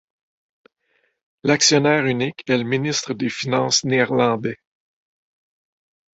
L'actionnaire unique est le Ministre des Finances néerlandais.